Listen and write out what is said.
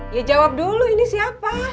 ya jawab dulu ini siapa